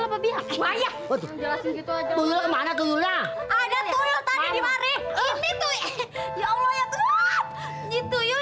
assalamualaikum warahmatullahi wabarakatuh